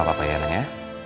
sama papa ya anak ya